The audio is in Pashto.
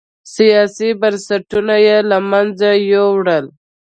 سیاسي بنسټونه یې له منځه یووړل.